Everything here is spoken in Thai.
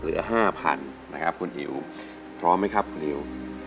เหลือ๕๐๐๐นะครับคุณอิ๋วพร้อมไหมครับคุณนิว